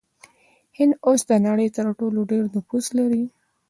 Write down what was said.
هند اوس د نړۍ تر ټولو ډیر نفوس لري.